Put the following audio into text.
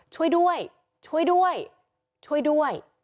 ช่วยด้วยช่วยด้วยช่วยด้วย